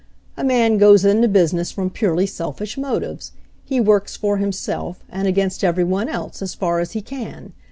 "A man goes into business from purely selfish motives; he works for himself, and against every one else, as far as he can.